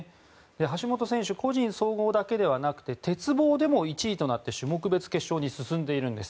橋本選手、個人総合だけではなく鉄棒でも１位となって種目別決勝に進んでいるんです。